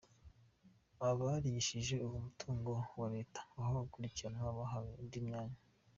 Abarigishije uwo mutungo wa Leta, aho gukurikiranwa bahawe indi myanya.